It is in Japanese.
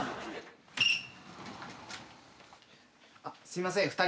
あっすいません。